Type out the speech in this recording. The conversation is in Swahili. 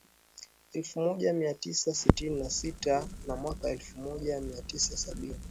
elfu moja mia tisa sitini na sita na mwaka elfu moja mia tisa sabini